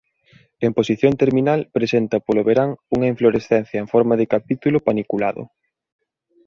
En posición terminal presenta polo verán unha inflorescencia en forma de capítulo paniculado.